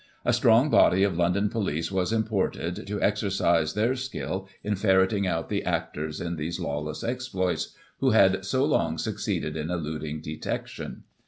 A strong body of London police was imported, to exercise their skill in ferreting out the actors in these lawless exploits, who had so long succeeded in elud ing detection.